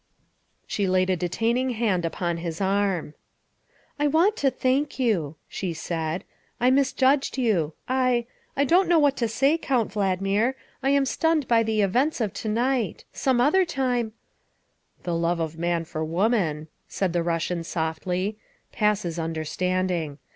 She laid a detaining hand upon his arm. " I want to thank you," she said. " I misjudged you. I I don't know what to say, Count Valdmir. I am stunned by the events of to night. Some other time " The love of man for woman," said the Russian softly, " passes understanding.